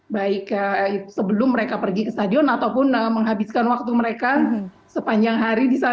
baik sebelum mereka pergi ke stadion ataupun menghabiskan waktu mereka sepanjang hari di sana